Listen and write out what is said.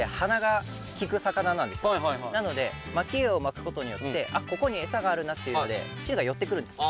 あのかなりなのでまき餌をまくことによってあっここに餌があるなっていうのでチヌが寄ってくるんですね。